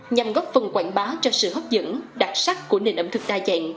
nhằm góp phần quảng bá cho sự hấp dẫn đặc sắc của nền ẩm thực đa dạng